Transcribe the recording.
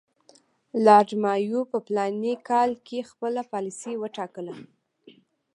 لارډ مایو په فلاني کال کې خپله پالیسي وټاکله.